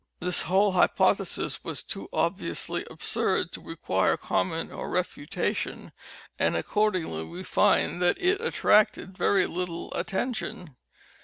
This whole hypothesis was too obviously absurd to require comment, or refutation, and accordingly we find that it attracted very little attention.